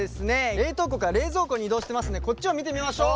冷凍庫から冷蔵庫に移動してますんでこっちを見てみましょう。